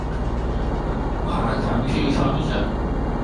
划船去沖繩